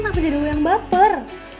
kenapa jadi dulu yang baper